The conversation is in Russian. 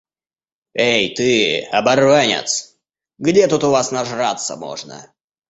Эй ты, оборванец! Где тут у вас нажраться можно?